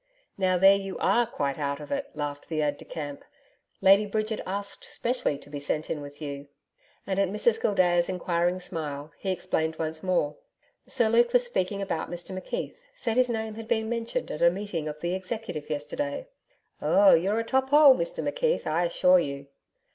'Now, there you ARE quite out of it,' laughed the aide de camp. 'Lady Bridget asked specially to be sent in with you,' and at Mrs Gildea's enquiring smile, he explained once more: 'Sir Luke was speaking about Mr McKeith, said his name had been mentioned at a meeting of the Executive yesterday. Oh! you're top hole, Mr McKeith, I assure you.'